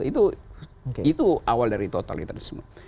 itu awal dari totalitas